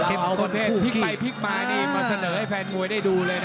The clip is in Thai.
เอาคนเพศพลิกไปพลิกมามาเสนอให้แฟนมวยได้ดูเลยนะ